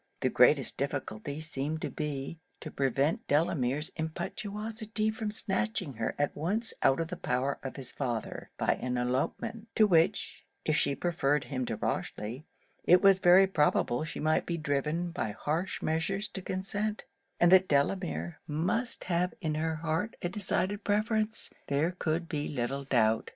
The greatest difficulty seemed to be, to prevent Delamere's impetuosity from snatching her at once out of the power of his father, by an elopement; to which, if she preferred him to Rochely, it was very probable she might be driven by harsh measures to consent; and that Delamere must have in her heart a decided preference, there could be little doubt.